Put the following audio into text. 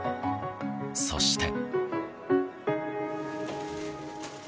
そして。